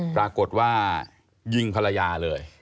ปรากฏว่ายิงภรรยาเลย